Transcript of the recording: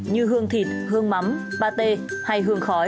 như hương thịt hương mắm pate hay hương khói